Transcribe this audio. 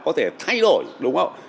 có thể thay đổi đúng không